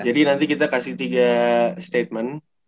jadi nanti kita kasih tiga statement